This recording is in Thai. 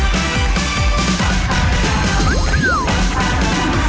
ไปครับ